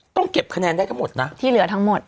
เก็บคะแนนได้ทั้งหมดนะที่เหลือทั้งหมด